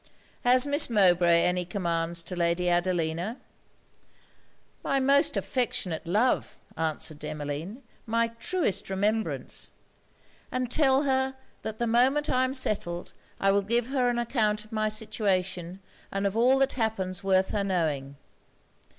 'Has Miss Mowbray any commands to Lady Adelina?' 'My most affectionate love!' answered Emmeline, 'my truest remembrance! And tell her, that the moment I am settled I will give her an account of my situation, and of all that happens worth her knowing.'